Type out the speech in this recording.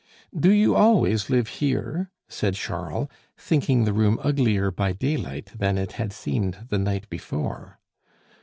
"Do you always live here?" said Charles, thinking the room uglier by daylight than it had seemed the night before.